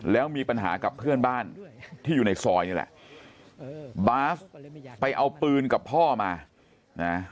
แล้วมีปัญหากับเพื่อนบ้านที่อยู่ในซอยนี่แหละบาสไปเอาปืนกับพ่อมานะ